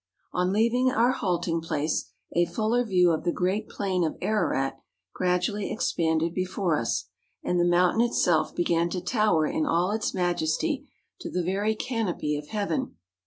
On leaving our halting place, a fuller view of the great plain of Ararat gradually expanded before us, and the mountain itself began to tower in all its majesty to the very canopy of heaven.